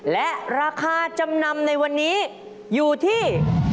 และราคาจำนำในวันนี้อยู่ที่